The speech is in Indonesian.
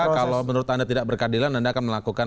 kalau menurut anda tidak berkeadilan anda akan melakukan